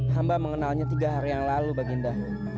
hamba mengenalnya tiga hari yang lalu baginda